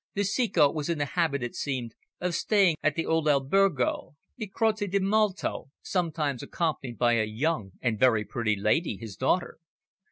The Ceco was in the habit, it seemed, of staying at the old albergo, the Croce di Malto, sometimes accompanied by a young and very pretty lady, his daughter."